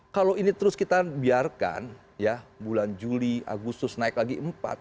kalau ini terus kita biarkan ya bulan juli agustus naik lagi empat